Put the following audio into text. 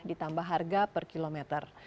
ditambah harga per kilometer